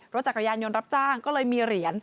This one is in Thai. รถจักรยานยนต์รับจ้างก็เลยมีเหรียญ